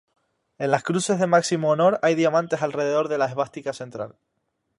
En las cruces de máximo honor, hay diamantes alrededor de la esvástica central.